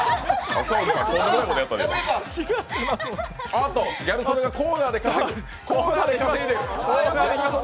おっと、ギャル曽根がコーナーで稼いでいる！